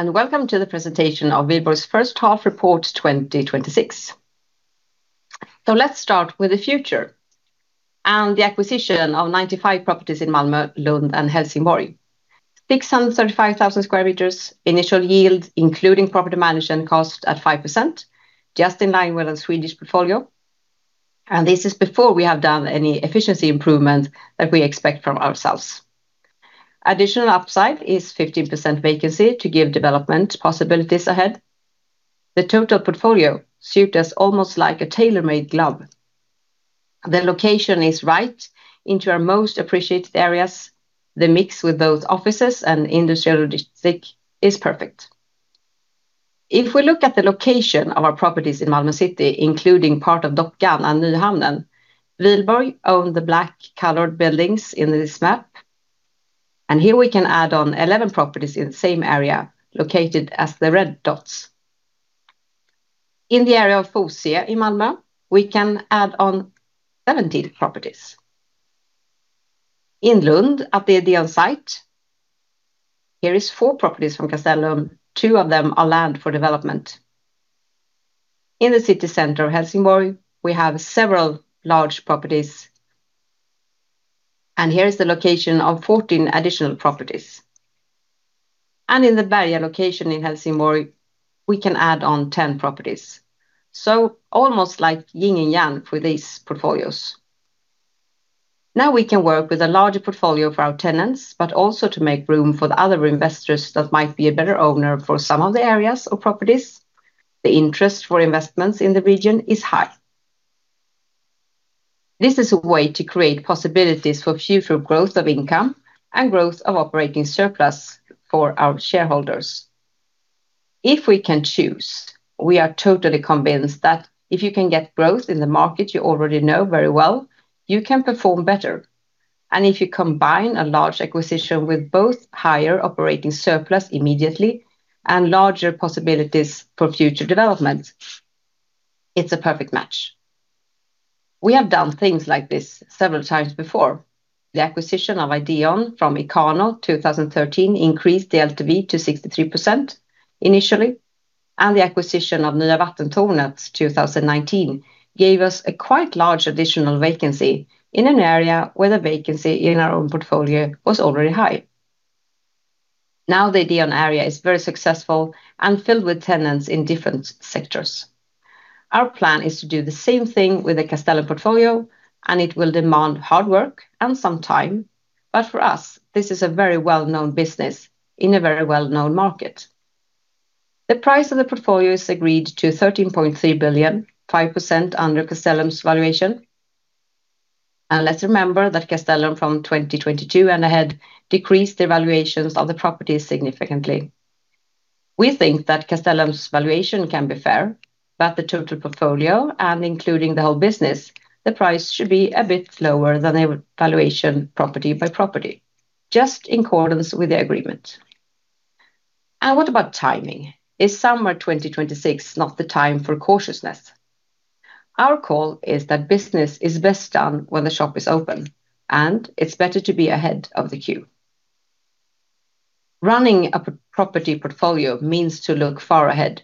Welcome to the presentation of Wihlborgs first half report 2026. Let's start with the future and the acquisition of 95 properties in Malmö, Lund, and Helsingborg. 635,000 sq m. Initial yield, including property management cost, at 5%, just in line with our Swedish portfolio. This is before we have done any efficiency improvement that we expect from ourselves. Additional upside is 15% vacancy to give development possibilities ahead. The total portfolio suit us almost like a tailor-made glove. The location is right into our most appreciated areas. The mix with both offices and industrial logistics is perfect. If we look at the location of our properties in Malmö City, including part of Dockan and Nyhamnen, Wihlborgs own the black colored buildings in this map. Here we can add on 11 properties in the same area, located as the red dots. In the area of Fosie in Malmö, we can add on 17 properties. In Lund at the Ideon site, here is four properties from Castellum. Two of them are land for development. In the city center of Helsingborg, we have several large properties, here is the location of 14 additional properties. In the Berga location in Helsingborg, we can add on 10 properties. Almost like yin and yang for these portfolios. Now we can work with a larger portfolio for our tenants, but also to make room for the other investors that might be a better owner for some of the areas or properties. The interest for investments in the region is high. This is a way to create possibilities for future growth of income and growth of operating surplus for our shareholders. If we can choose, we are totally convinced that if you can get growth in the market you already know very well, you can perform better. If you combine a large acquisition with both higher operating surplus immediately and larger possibilities for future development, it's a perfect match. We have done things like this several times before. The acquisition of Ideon from Ikano 2013 increased the LTV to 63% initially. The acquisition of Nya Vattentornet 2019 gave us a quite large additional vacancy in an area where the vacancy in our own portfolio was already high. Now the Ideon area is very successful and filled with tenants in different sectors. Our plan is to do the same thing with the Castellum portfolio, it will demand hard work and some time. For us, this is a very well-known business in a very well-known market. The price of the portfolio is agreed to 13.3 billion, 5% under Castellum's valuation. Let's remember that Castellum from 2022 and ahead decreased the valuations of the properties significantly. We think that Castellum's valuation can be fair, but the total portfolio and including the whole business, the price should be a bit lower than their valuation property by property, just in accordance with the agreement. What about timing? Is summer 2026 not the time for cautiousness? Our call is that business is best done when the shop is open, it's better to be ahead of the queue. Running a property portfolio means to look far ahead,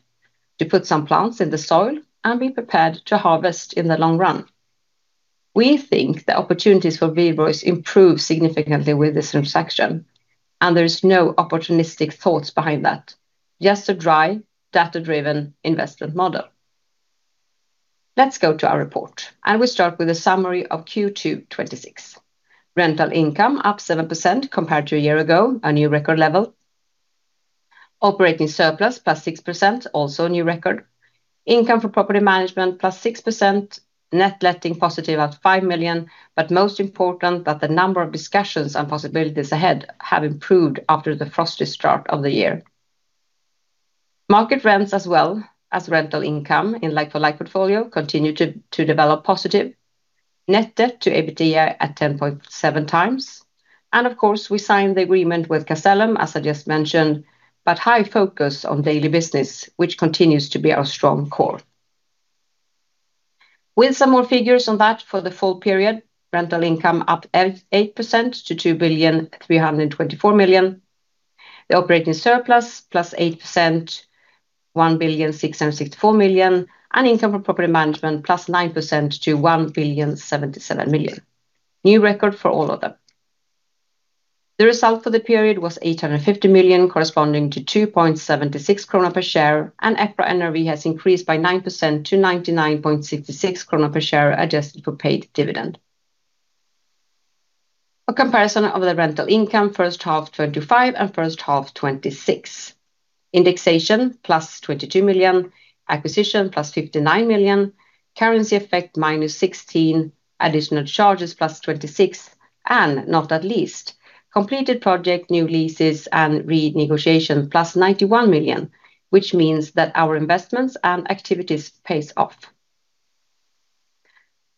to put some plants in the soil and be prepared to harvest in the long run. We think the opportunities for Wihlborgs improve significantly with this transaction, there is no opportunistic thoughts behind that. Just a dry, data-driven investment model. Let's go to our report, and we start with a summary of Q2 2026. Rental income up 7% compared to a year ago, a new record level. Operating surplus +6%, also a new record. Income from property management +6%. Net letting positive at 5 million. Most important that the number of discussions and possibilities ahead have improved after the frosty start of the year. Market rents as well as rental income in like-for-like portfolio continue to develop positive. Net debt to EBITDA at 10.7x. Of course, we signed the agreement with Castellum, as I just mentioned, but high focus on daily business, which continues to be our strong call. With some more figures on that for the full period, rental income up 8% to 2 billion 324 million. The operating surplus +8%, 1 billion 664 million. Income from property management +9% to 1 billion 77 million. New record for all of them. The result for the period was 850 million, corresponding to 2.76 krona per share, and EPRA NRV has increased by 9% to 99.66 krona per share, adjusted for paid dividend. A comparison of the rental income first half 2025 and first half 2026. Indexation +22 million, acquisition +59 million, currency effect -16 million, additional charges +26 million, and not least, completed project new leases and renegotiation +91 million, which means that our investments and activities pays off.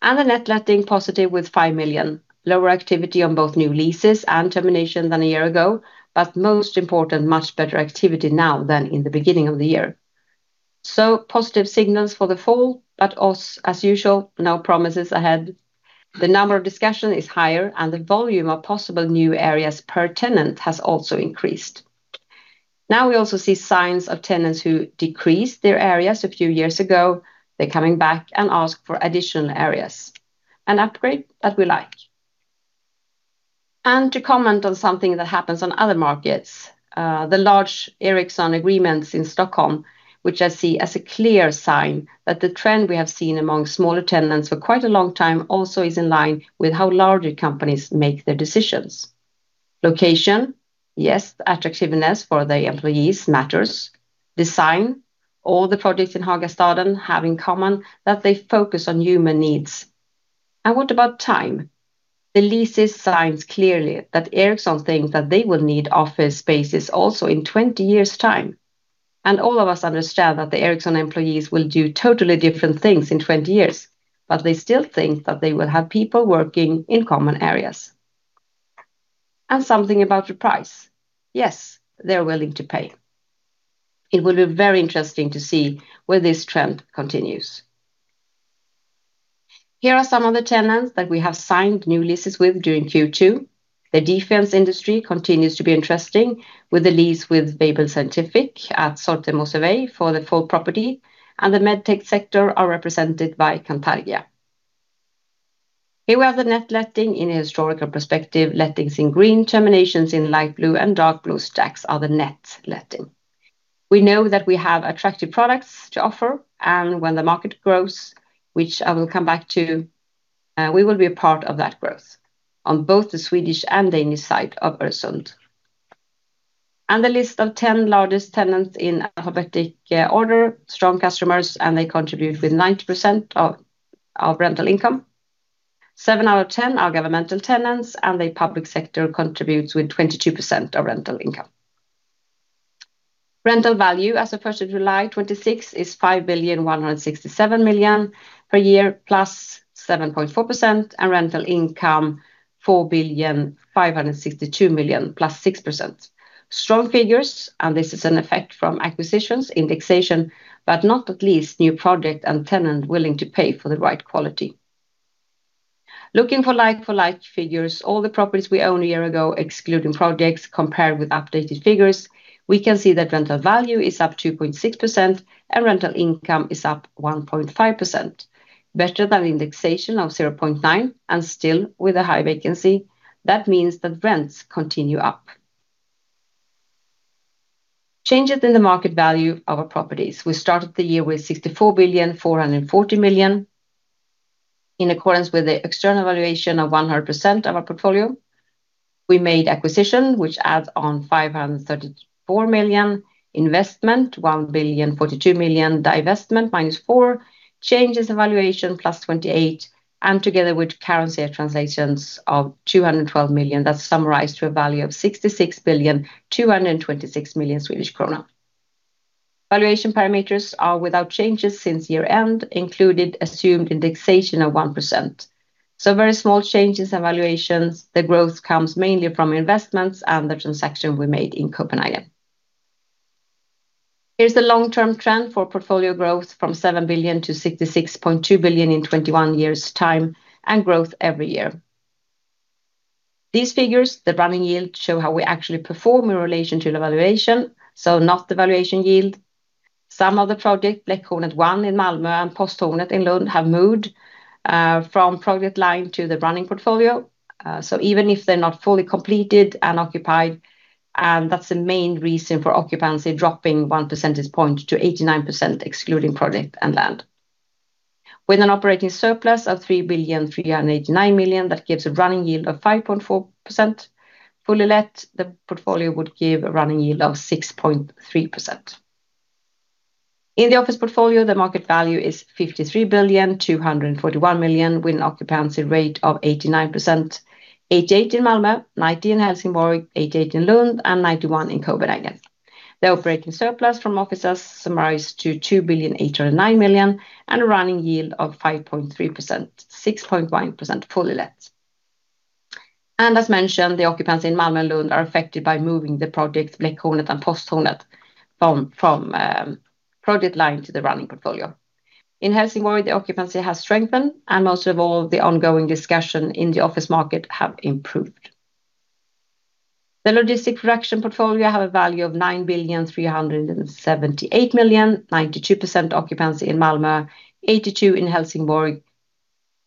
The net letting positive with 5 million. Lower activity on both new leases and termination than a year ago, but most important, much better activity now than in the beginning of the year. Positive signals for the fall, but as usual, no promises ahead. The number of discussions is higher, and the volume of possible new areas per tenant has also increased. We also see signs of tenants who decreased their areas a few years ago. They're coming back and ask for additional areas, an upgrade that we like. To comment on something that happens on other markets, the large Ericsson agreements in Stockholm, which I see as a clear sign that the trend we have seen among smaller tenants for quite a long time, also is in line with how larger companies make their decisions. Location, yes, attractiveness for their employees matters. Design, all the projects in Hagastaden have in common that they focus on human needs. What about time? The leases signed clearly that Ericsson thinks that they will need office spaces also in 20 years' time. All of us understand that the Ericsson employees will do totally different things in 20 years, but they still think that they will have people working in common areas. Something about the price. Yes, they're willing to pay. It will be very interesting to see where this trend continues. Here are some of the tenants that we have signed new leases with during Q2. The defense industry continues to be interesting with the lease with Weibel Scientific at Sortemosevej for the full property, and the MedTech sector is represented by Cantargia. Here we have the net letting in a historical perspective, lettings in green, terminations in light blue, and dark blue stacks are the net letting. We know that we have attractive products to offer. When the market grows, which I will come back to, we will be a part of that growth on both the Swedish and Danish side of Öresund. The list of 10 largest tenants in alphabetic order, strong customers. They contribute with 19% of rental income. 7 out of 10 are governmental tenants. The public sector contributes with 22% of rental income. Rental value as of 1st of July 2026 is 5,167,000,000 per year +7.4%. Rental income, 4,562,000,000 +6%. Strong figures. This is an effect from acquisitions, indexation, but not least new project and tenant willing to pay for the right quality. Looking for like-for-like figures, all the properties we own a year ago, excluding projects compared with updated figures, we can see that rental value is up 2.6%. Rental income is up 1.5%. Better than indexation of 0.9%. Still with a high vacancy. That means that rents continue up. Changes in the market value of our properties. We started the year with 64,440,000,000. In accordance with the external valuation of 100% of our portfolio, we made acquisition, which adds on 534,000,000, investment 1,042,000,000, divestment -4, changes evaluation +28. Together with currency translations of 212,000,000, that is summarized to a value of 66,226,000,000 Swedish krona. Valuation parameters are without changes since year-end included assumed indexation of 1%. Very small changes in valuations. The growth comes mainly from investments and the transaction we made in Copenhagen. Here is the long-term trend for portfolio growth from 7 billion to 66.2 billion in 21 years' time. Growth every year. These figures, the running yield, show how we actually perform in relation to the valuation, so not the valuation yield. Some of the project, Bläckhornet 1 in Malmö and Posthornet in Lund have moved from project line to the running portfolio. Even if they are not fully completed and occupied, that is the main reason for occupancy dropping one percentage point to 89%, excluding project and land. With an operating surplus of 3,389,000,000, that gives a running yield of 5.4%. Fully let, the portfolio would give a running yield of 6.3%. In the office portfolio, the market value is 53,241,000,000 with an occupancy rate of 89%, 88% in Malmö, 90% in Helsingborg, 88% in Lund, and 91% in Copenhagen. The operating surplus from offices summarized to 2,809,000,000. A running yield of 5.3%, 6.1% fully let. As mentioned, the occupancy in Malmö and Lund are affected by moving the project Bläckhornet and Posthornet from project line to the running portfolio. In Helsingborg, the occupancy has strengthened. Most of all, the ongoing discussion in the office market have improved. The logistic production portfolio have a value of 9,378,000,000, 92% occupancy in Malmö, 82% in Helsingborg,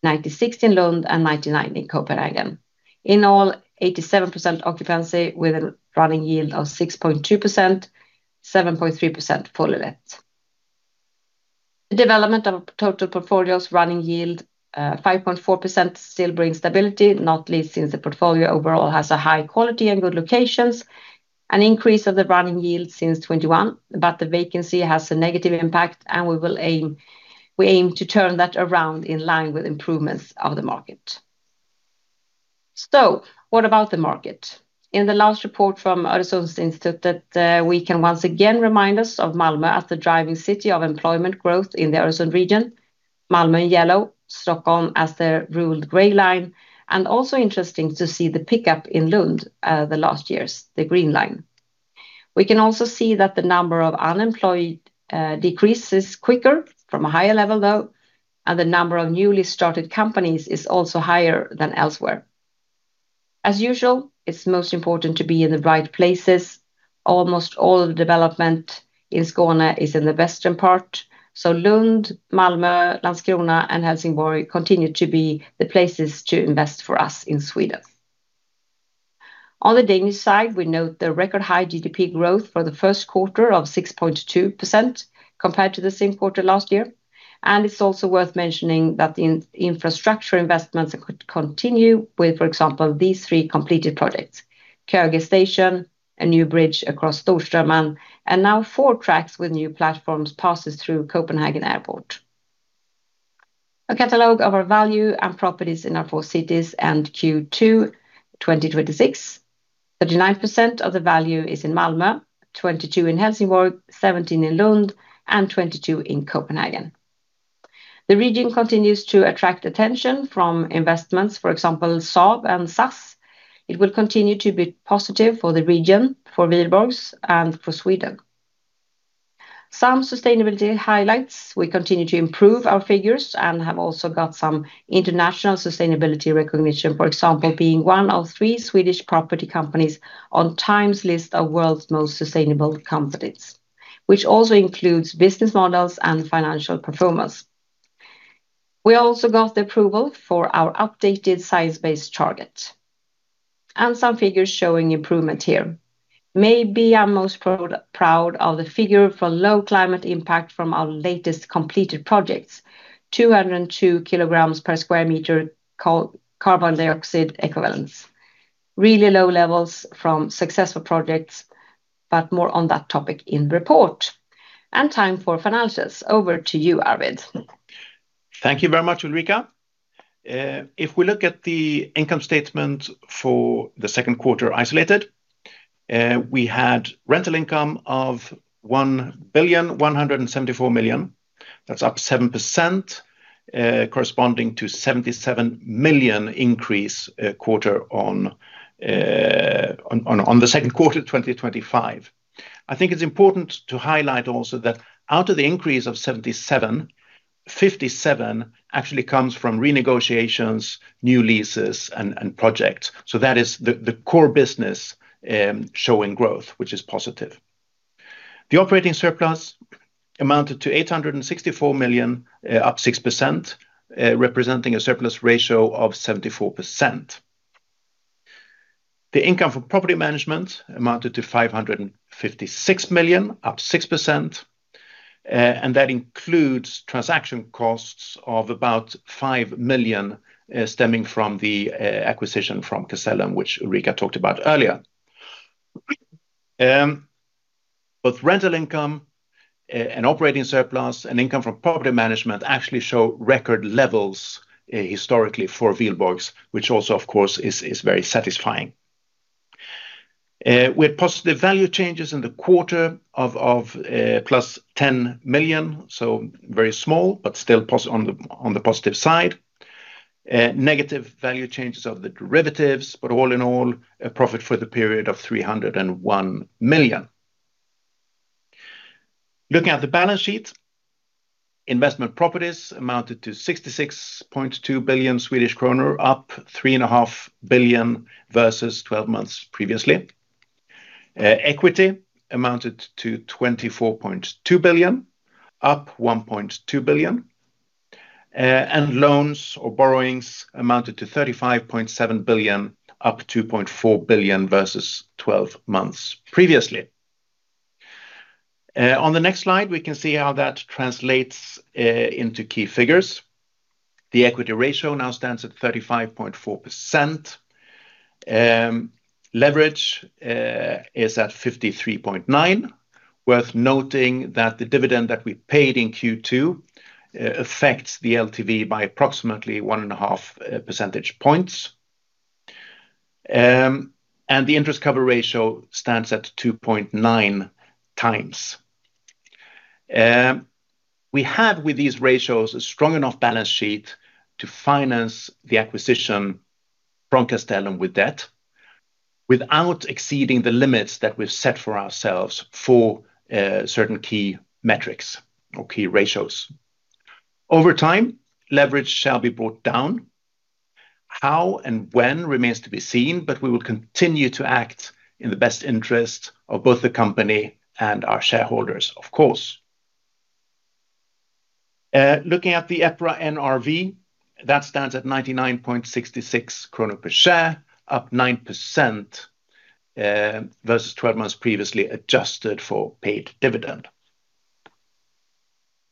96% in Lund, and 99% in Copenhagen. In all, 87% occupancy with a running yield of 6.2%, 7.3% fully let. The development of total portfolio's running yield, 5.4% still brings stability, not least since the portfolio overall has a high quality and good locations. An increase of the running yield since 2021. The vacancy has a negative impact. We aim to turn that around in line with improvements of the market. What about the market? In the last report from Öresundsinstitutet, we can once again remind us of Malmö as the driving city of employment growth in the Öresund region. Malmö in yellow, Stockholm as the ruled gray line. Also interesting to see the pickup in Lund the last years, the green line. We can also see that the number of unemployed decreases quicker from a higher level, though, and the number of newly started companies is also higher than elsewhere. As usual, it's most important to be in the right places. Almost all development in Skåne is in the western part, so Lund, Malmö, Landskrona, and Helsingborg continue to be the places to invest for us in Sweden. On the Danish side, we note the record high GDP growth for the first quarter of 6.2% compared to the same quarter last year. It's also worth mentioning that the infrastructure investments could continue with, for example, these three completed projects, Køge Station, a new bridge across Storstrømmen, and now four tracks with new platforms passes through Copenhagen Airport. A catalog of our value and properties in our four cities and Q2 2026. 39% of the value is in Malmö, 22% in Helsingborg, 17% in Lund, and 22% in Copenhagen. The region continues to attract attention from investments, for example, Saab and SAS. It will continue to be positive for the region, for Wihlborgs, and for Sweden. Some sustainability highlights. We continue to improve our figures and have also got some international sustainability recognition, for example, being one of three Swedish property companies on TIME's list of world's most sustainable companies, which also includes business models and financial performance. We also got the approval for our updated science-based target. Some figures showing improvement here. Maybe I'm most proud of the figure for low climate impact from our latest completed projects. 202 kg/sq m carbon dioxide equivalent. Really low levels from successful projects, but more on that topic in report. Time for financials. Over to you, Arvid. Thank you very much, Ulrika. If we look at the income statement for the second quarter isolated, we had rental income of 1,174 million. That's up 7%, corresponding to 77 million increase on the second quarter of 2025. I think it's important to highlight also that out of the increase of 77, 57 actually comes from renegotiations, new leases, and projects. That is the core business showing growth, which is positive. The operating surplus amounted to 864 million, up 6%, representing a surplus ratio of 74%. The income from property management amounted to 556 million, up 6%, and that includes transaction costs of about 5 million stemming from the acquisition from Castellum, which Ulrika talked about earlier. Both rental income and operating surplus and income from property management actually show record levels historically for Wihlborgs, which also, of course, is very satisfying. We had positive value changes in the quarter of +10 million, so very small, but still on the positive side. Negative value changes of the derivatives, but all in all, a profit for the period of 301 million. Looking at the balance sheet, investment properties amounted to 66.2 billion Swedish kronor, up 3.5 billion versus 12 months previously. Equity amounted to 24.2 billion, up 1.2 billion. Loans or borrowings amounted to 35.7 billion, up 2.4 billion versus 12 months previously. On the next slide, we can see how that translates into key figures. The equity ratio now stands at 35.4%. Leverage is at 53.9%. Worth noting that the dividend that we paid in Q2 affects the LTV by approximately 1.5 percentage points. The interest cover ratio stands at 2.9x. We had with these ratios, a strong enough balance sheet to finance the acquisition from Castellum with debt without exceeding the limits that we've set for ourselves for certain key metrics or key ratios. Over time, leverage shall be brought down. How and when remains to be seen, but we will continue to act in the best interest of both the company and our shareholders, of course. Looking at the EPRA NRV, that stands at 99.66 kronor per share, up 9% versus 12 months previously, adjusted for paid dividend.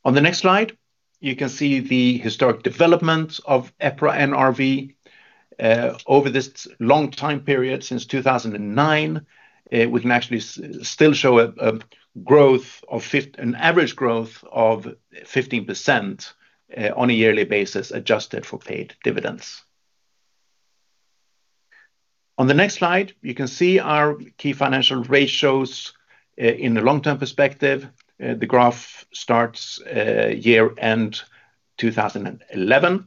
On the next slide, you can see the historic development of EPRA NRV over this long time period since 2009. We can actually still show an average growth of 15% on a yearly basis, adjusted for paid dividends. On the next slide, you can see our key financial ratios in the long-term perspective. The graph starts year end 2011.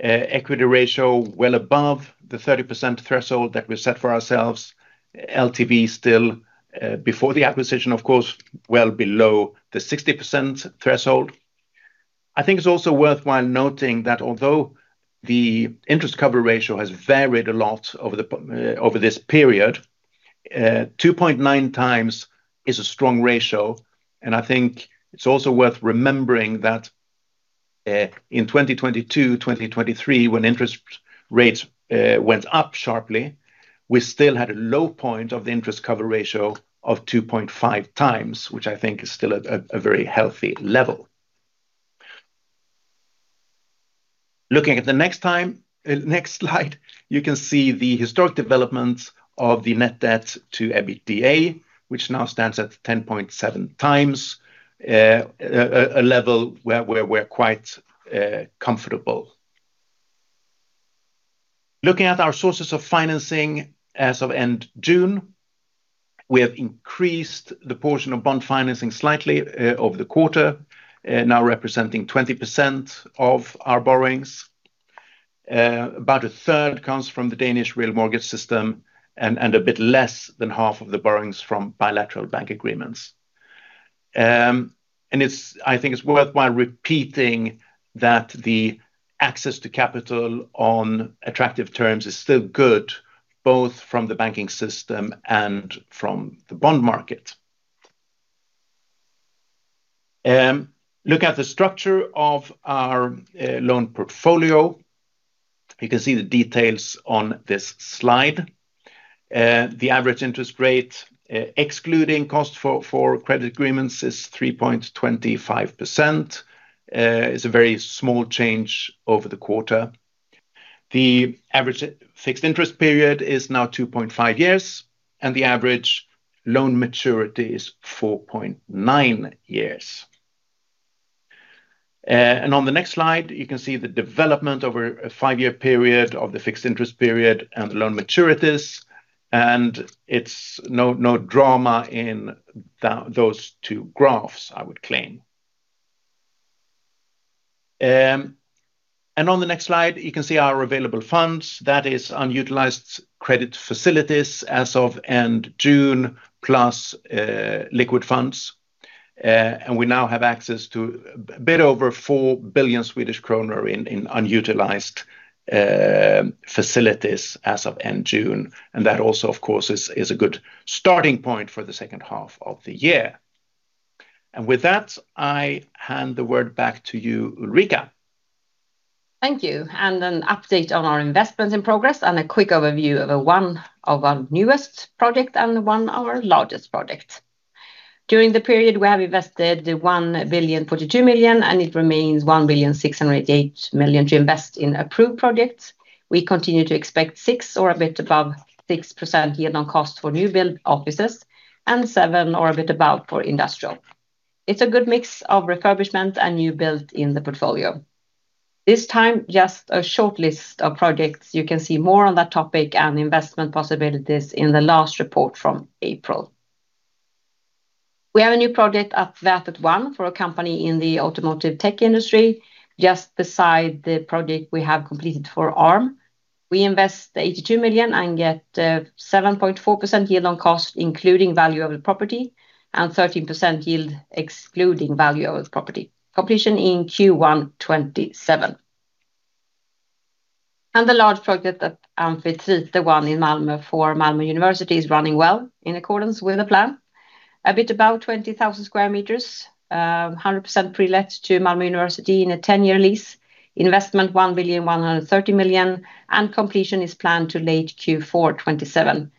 Equity ratio well above the 30% threshold that we've set for ourselves. LTV still before the acquisition, of course, well below the 60% threshold. It's also worthwhile noting that although the interest cover ratio has varied a lot over this period, 2.9x is a strong ratio, and I think it's also worth remembering that in 2022, 2023, when interest rates went up sharply, we still had a low point of the interest cover ratio of 2.5x, which I think is still at a very healthy level. Looking at the next slide, you can see the historic development of the net debt to EBITDA, which now stands at 10.7x, a level where we're quite comfortable. Looking at our sources of financing as of end June, we have increased the portion of bond financing slightly over the quarter, now representing 20% of our borrowings. About a 1/3 comes from the Danish mortgage-credit system and a bit less than half of the borrowings from bilateral bank agreements. It's worthwhile repeating that the access to capital on attractive terms is still good, both from the banking system and from the bond market. Look at the structure of our loan portfolio. You can see the details on this slide. The average interest rate, excluding cost for credit agreements, is 3.25%. It's a very small change over the quarter. The average fixed interest period is now 2.5 years, and the average loan maturity is 4.9 years. On the next slide, you can see the development over a 5-year period of the fixed interest period and loan maturities, and it's no drama in those two graphs, I would claim. On the next slide, you can see our available funds. That is unutilized credit facilities as of end June, plus liquid funds. We now have access to a bit over 4 billion Swedish kronor in unutilized facilities as of end June. That also, of course, is a good starting point for the second half of the year. With that, I hand the word back to you, Ulrika. Thank you. An update on our investments in progress and a quick overview of one of our newest project and one our largest project. During the period, we have invested 1.042 billion, and it remains 1.608 billion to invest in approved projects. We continue to expect 6% or a bit above 6% yield on cost for new build offices and 7% or a bit above for industrial. It's a good mix of refurbishment and new build in the portfolio. This time just a short list of projects. You can see more on that topic and investment possibilities in the last report from April. We have a new project at Vätet 1 for a company in the automotive tech industry, just beside the project we have completed for Arm. We invest 82 million and get 7.4% yield on cost, including value of the property and 13% yield excluding value of property. Completion in Q1 2027. The large project at Amphitrite, the one in Malmö for Malmö University is running well, in accordance with the plan. A bit above 20,000 sq m, 100% pre-let to Malmö University in a 10-year lease. Investment, 1.13 billion, and completion is planned to late Q4 2027.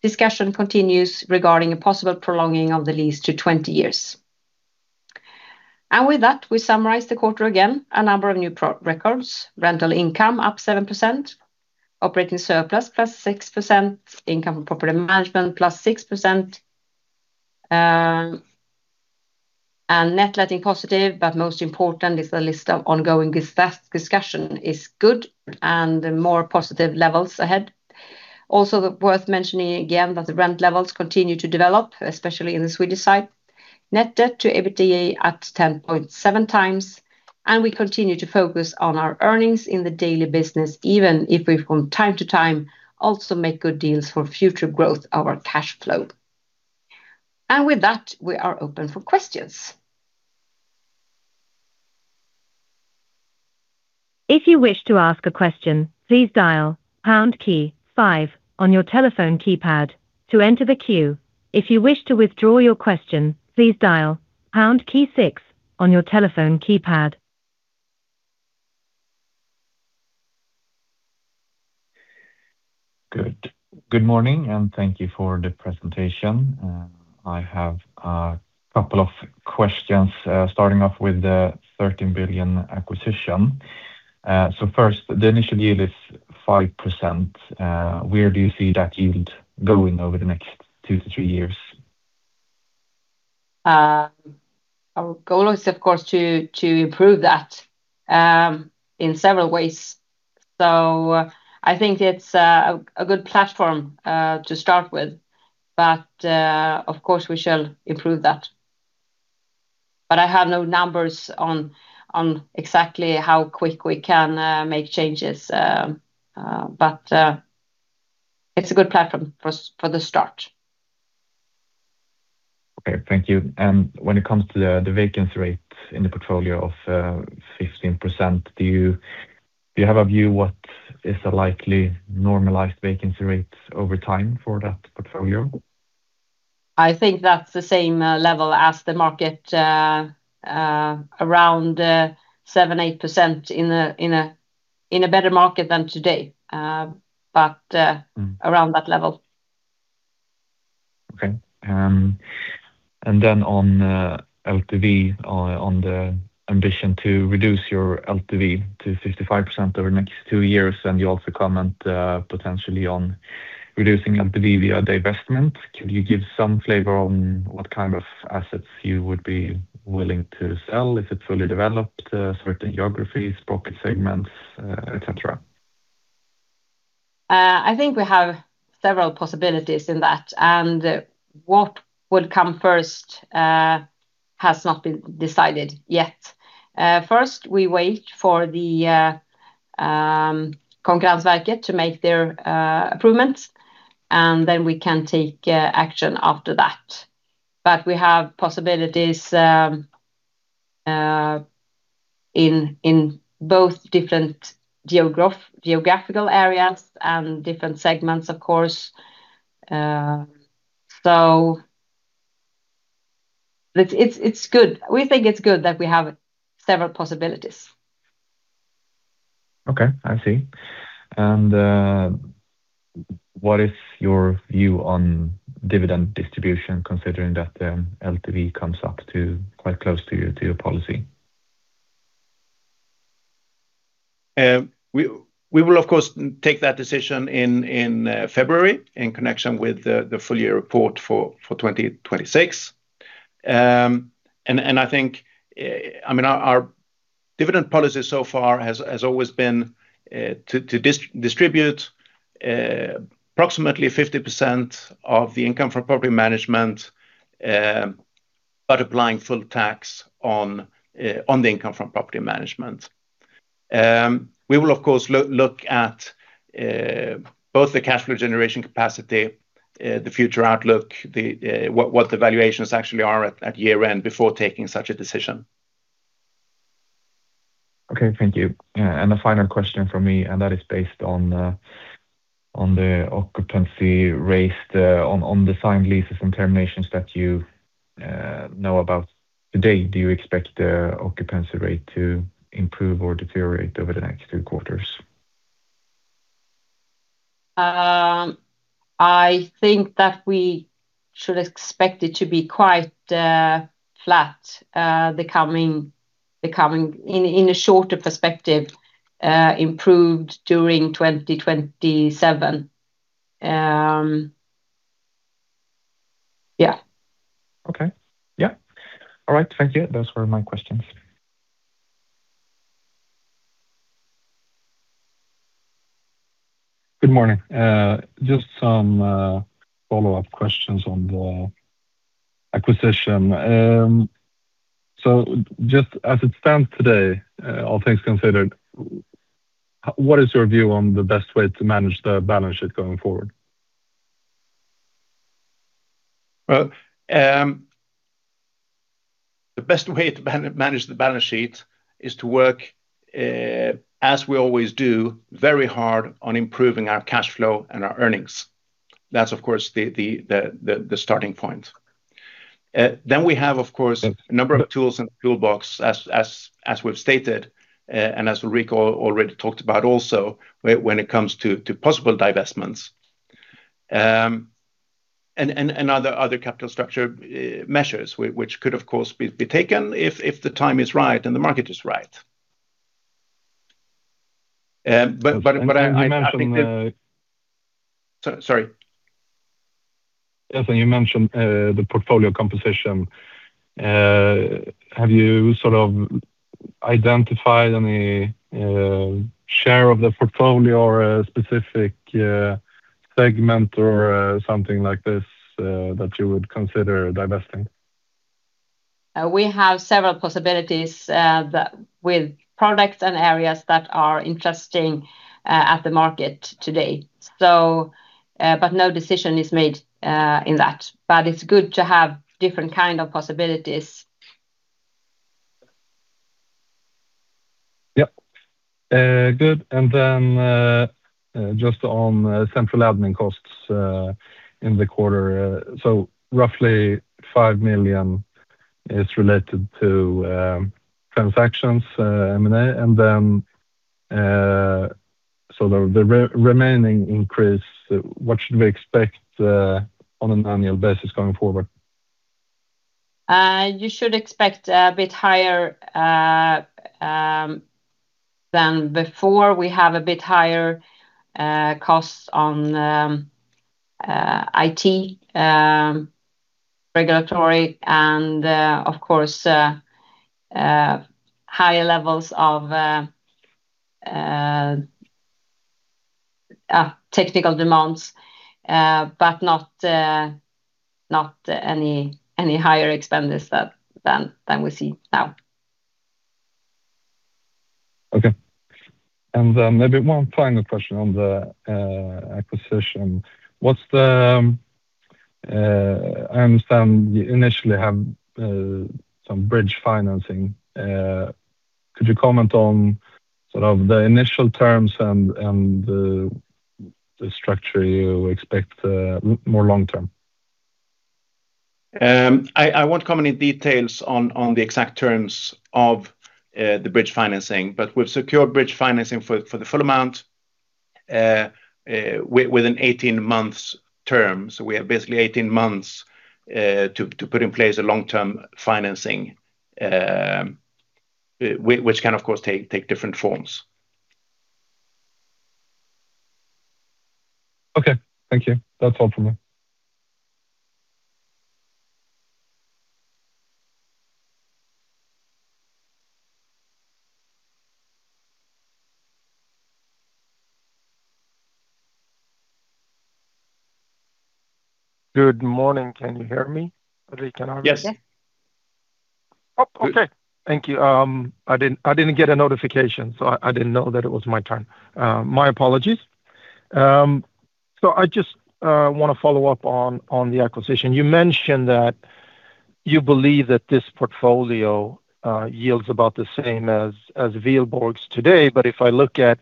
Discussion continues regarding a possible prolonging of the lease to 20 years. With that, we summarize the quarter again. A number of new records. Rental income up 7%, operating surplus +6%, income from property management +6%, and net letting positive. Most important is the list of ongoing discussion is good and more positive levels ahead. Also worth mentioning again that the rent levels continue to develop, especially in the Swedish side. Net debt to EBITDA at 10.7x. We continue to focus on our earnings in the daily business, even if we from time to time also make good deals for future growth of our cash flow. With that, we are open for questions. If you wish to ask a question, please dial pound key five on your telephone keypad to enter the queue. If you wish to withdraw your question, please dial pound key six on your telephone keypad. Good morning, thank you for the presentation. I have a couple of questions, starting off with the 13 billion acquisition. First, the initial yield is 5%. Where do you see that yield going over the next two to three years? Our goal is, of course, to improve that in several ways. I think it's a good platform to start with, of course, we shall improve that. I have no numbers on exactly how quick we can make changes. It's a good platform for the start. Okay, thank you. When it comes to the vacancy rate in the portfolio of 15%, do you have a view what is a likely normalized vacancy rate over time for that portfolio? I think that's the same level as the market, around 7%-8% in a better market than today. Around that level. Okay. On LTV, on the ambition to reduce your LTV to 55% over the next two years, you also comment potentially on reducing LTV via divestment. Can you give some flavor on what kind of assets you would be willing to sell if it's fully developed, certain geographies, pocket segments, et cetera? I think we have several possibilities in that, what will come first has not been decided yet. First, we wait for the Konkurrensverket to make their improvements, we can take action after that. We have possibilities in both different geographical areas and different segments, of course. We think it's good that we have several possibilities. Okay. I see. What is your view on dividend distribution considering that LTV comes up quite close to your policy? We will, of course, take that decision in February in connection with the full-year report for 2026. Our dividend policy so far has always been to distribute approximately 50% of the income from property management, but applying full tax on the income from property management. We will, of course, look at both the cash flow generation capacity, the future outlook, what the valuations actually are at year-end before taking such a decision. Okay, thank you. A final question from me, and that is based on the occupancy rate on the signed leases and terminations that you know about today. Do you expect the occupancy rate to improve or deteriorate over the next two quarters? I think that we should expect it to be quite flat, in a shorter perspective, improved during 2027. Yeah. Okay. Yeah. All right. Thank you. Those were my questions. Good morning. Just some follow-up questions on the acquisition. Just as it stands today, all things considered, what is your view on the best way to manage the balance sheet going forward? The best way to manage the balance sheet is to work, as we always do, very hard on improving our cash flow and our earnings. That's of course the starting point. We have, of course, a number of tools in the toolbox as we've stated, and as Ulrika already talked about also when it comes to possible divestments. Other capital structure measures, which could of course be taken if the time is right and the market is right. You mentioned- Sorry? Yes, you mentioned the portfolio composition. Have you sort of identified any share of the portfolio or a specific segment or something like this that you would consider divesting? We have several possibilities with products and areas that are interesting at the market today. No decision is made in that. It's good to have different kind of possibilities. Yep. Good. Just on central admin costs in the quarter. Roughly 5 million is related to transactions, M&A, the remaining increase, what should we expect on an annual basis going forward? You should expect a bit higher than before. We have a bit higher costs on IT, regulatory, and of course, higher levels of technical demands, not any higher expenditures than we see now. Okay. Maybe one final question on the acquisition. I understand you initially have some bridge financing. Could you comment on the initial terms and the structure you expect more long-term? I won't comment in detail on the exact terms of the bridge financing, but we've secured bridge financing for the full amount within 18 months term. We have basically 18 months to put in place a long-term financing, which can, of course, take different forms. Okay, thank you. That's all from me. Good morning. Can you hear me? Yes. Yes. Okay, thank you. I didn't get a notification, so I didn't know that it was my turn. My apologies. I just want to follow up on the acquisition. You mentioned that you believe that this portfolio yields about the same as Wihlborgs today, but if I look at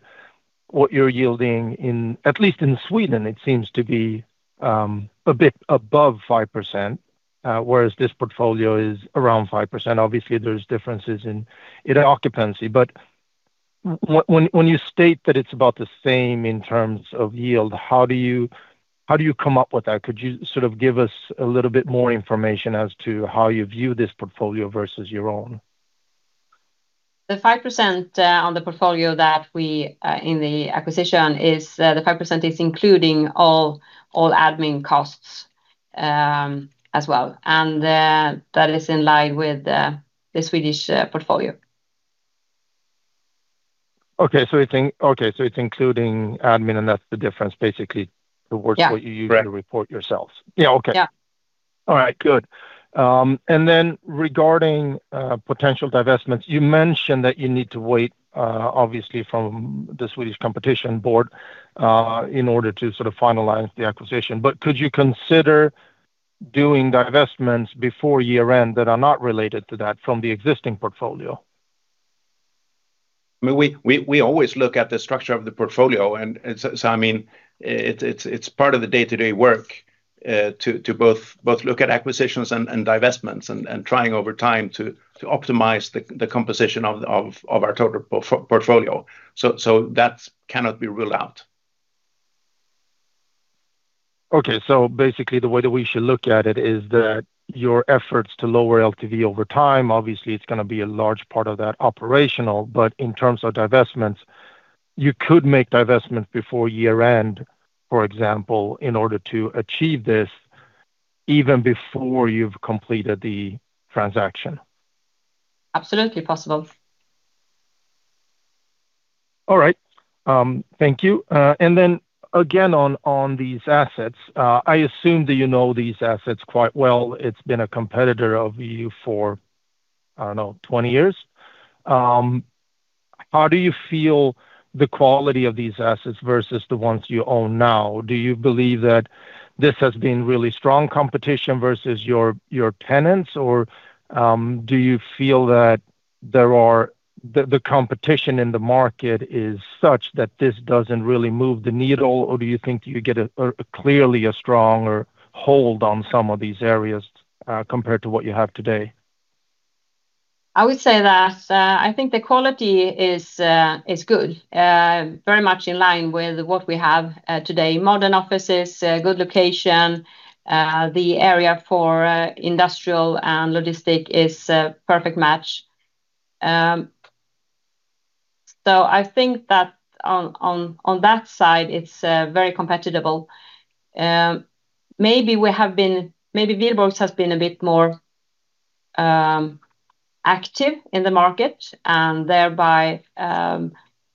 what you're yielding, at least in Sweden, it seems to be a bit above 5%, whereas this portfolio is around 5%. Obviously, there's differences in occupancy. When you state that it's about the same in terms of yield, how do you come up with that? Could you give us a little bit more information as to how you view this portfolio versus your own? The 5% on the portfolio in the acquisition is including all admin costs as well, and that is in line with the Swedish portfolio. Okay. It's including admin, and that's the difference, basically. Yeah towards what you usually report yourselves. Yeah, okay. Yeah. All right, good. Regarding potential divestments, you mentioned that you need to wait, obviously, from the Swedish Competition Authority in order to finalize the acquisition. Could you consider doing divestments before year-end that are not related to that from the existing portfolio? We always look at the structure of the portfolio. It's part of the day-to-day work to both look at acquisitions and divestments, and trying over time to optimize the composition of our total portfolio. That cannot be ruled out. Basically the way that we should look at it is that your efforts to lower LTV over time, obviously, it's going to be a large part of that operational. In terms of divestments, you could make divestments before year-end, for example, in order to achieve this, even before you've completed the transaction. Absolutely possible. All right. Thank you. Again on these assets, I assume that you know these assets quite well. It's been a competitor of you for, I don't know, 20 years. How do you feel the quality of these assets versus the ones you own now? Do you believe that this has been really strong competition versus your tenants, or do you feel that the competition in the market is such that this doesn't really move the needle, or do you think you get clearly a stronger hold on some of these areas compared to what you have today? I would say that I think the quality is good. Very much in line with what we have today. Modern offices, good location. The area for industrial and logistic is a perfect match. I think that on that side, it's very compatible. Maybe Wihlborgs has been a bit more active in the market and thereby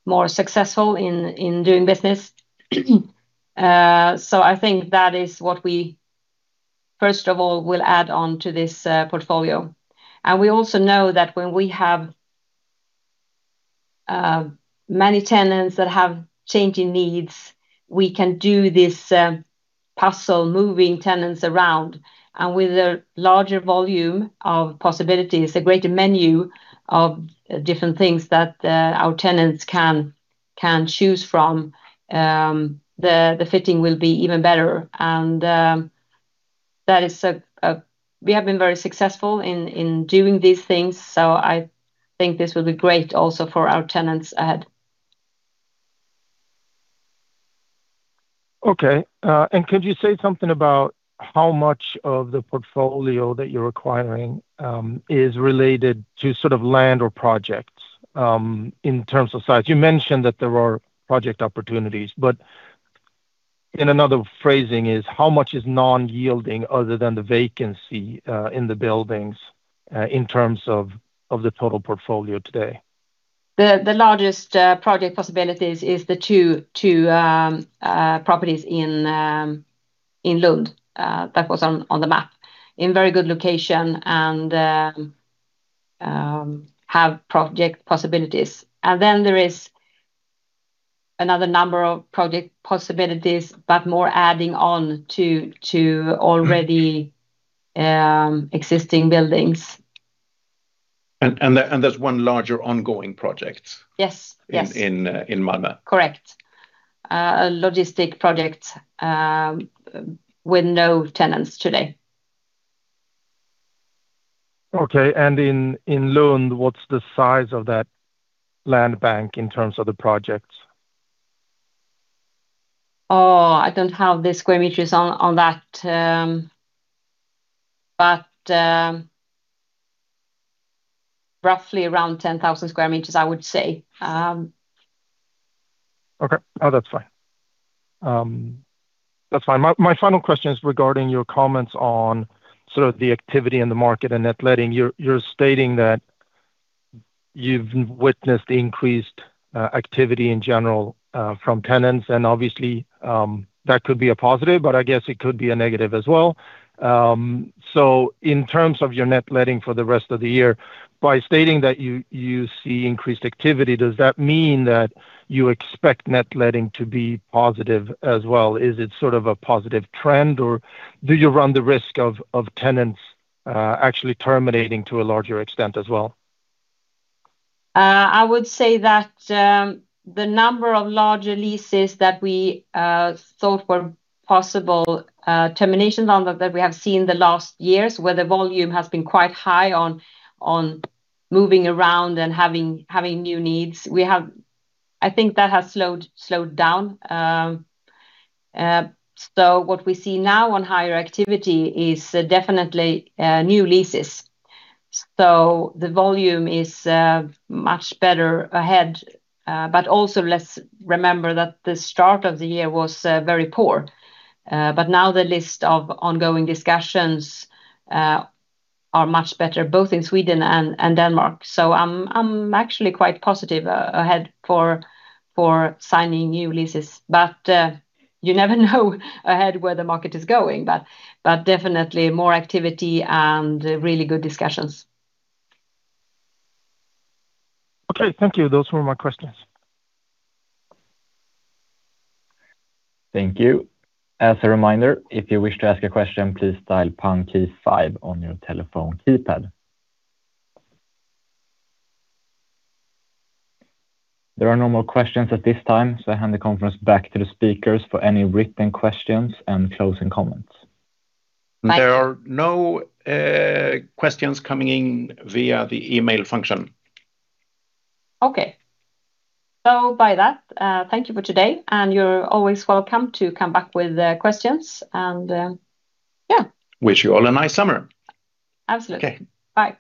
more successful in doing business. I think that is what we first of all will add on to this portfolio. We also know that when we have many tenants that have changing needs, we can do this puzzle, moving tenants around. With a larger volume of possibilities, a greater menu of different things that our tenants can choose from, the fitting will be even better. We have been very successful in doing these things, I think this will be great also for our tenants ahead. Okay. Could you say something about how much of the portfolio that you're acquiring is related to land or projects in terms of size? You mentioned that there are project opportunities, but in another phrasing is, how much is non-yielding other than the vacancy in the buildings in terms of the total portfolio today? The largest project possibilities is the two properties in Lund that was on the map, in very good location and have project possibilities. Then there is another number of project possibilities, but more adding on to already existing buildings. There's one larger ongoing project. Yes In Malmö? Correct. A logistic project with no tenants today. Okay. In Lund, what's the size of that land bank in terms of the projects? Oh, I don't have the square meters on that. Roughly around 10,000 sq m, I would say. Okay. No, that's fine. My final question is regarding your comments on sort of the activity in the market and net letting. You're stating that you've witnessed increased activity in general from tenants, obviously, that could be a positive, I guess it could be a negative as well. In terms of your net letting for the rest of the year, by stating that you see increased activity, does that mean that you expect net letting to be positive as well? Is it sort of a positive trend, or do you run the risk of tenants actually terminating to a larger extent as well? I would say that the number of larger leases that we thought were possible terminations on that we have seen the last years, where the volume has been quite high on moving around and having new needs, I think that has slowed down. What we see now on higher activity is definitely new leases. The volume is much better ahead. Also let's remember that the start of the year was very poor. Now the list of ongoing discussions are much better, both in Sweden and Denmark. I'm actually quite positive ahead for signing new leases. You never know ahead where the market is going. Definitely more activity and really good discussions. Okay. Thank you. Those were my questions. Thank you. As a reminder, if you wish to ask a question, please dial pound-key five on your telephone keypad. There are no more questions at this time, I hand the conference back to the speakers for any written questions and closing comments. Bye. There are no questions coming in via the email function. Okay. By that, thank you for today, and you're always welcome to come back with questions and yeah. We wish you all a nice summer. Absolutely. Okay. Bye. Bye.